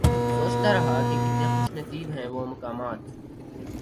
سوچتا رہا کہ کتنے خوش نصیب ہیں وہ مقامات